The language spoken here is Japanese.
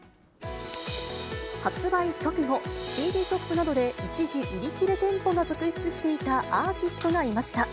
発売直後、ＣＤショップなどで一時、売り切れ店舗が続出していたアーティストがいました。